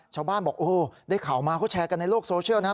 ชาวบ้านบอกโอ้ได้ข่าวมาเขาแชร์กันในโลกโซเชียลนะครับ